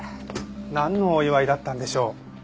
なんのお祝いだったんでしょう？